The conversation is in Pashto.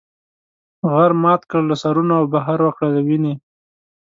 غر مات کړه له سرونو او بحر وکړه له وینې.